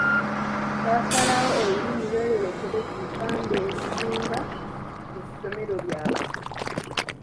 Baasalawo Olulimi lweyolekere ku bipande ebisinga mu ssomero lyabwe.